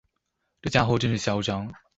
這傢伙真是囂張